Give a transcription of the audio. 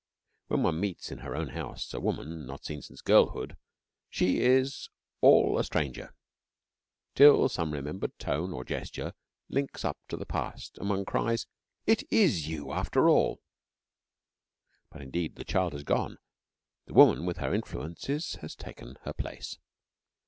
When one meets, in her own house, a woman not seen since girlhood she is all a stranger till some remembered tone or gesture links up to the past, and one cries: 'It is you after all.' But, indeed, the child has gone; the woman with her influences has taken her place.